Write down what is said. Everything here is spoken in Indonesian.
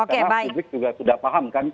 karena publik sudah paham kan